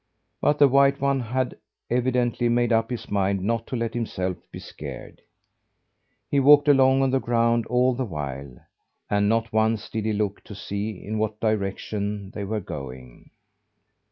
But the white one had evidently made up his mind not to let himself be scared. He walked along on the ground all the while; and not once did he look to see in what direction they were going.